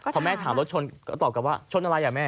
พอแม่ถามรถชนก็ตอบกลับว่าชนอะไรอ่ะแม่